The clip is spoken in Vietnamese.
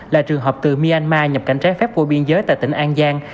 là trường hợp từ myanmar nhập cảnh trái phép qua biên giới tại tỉnh an giang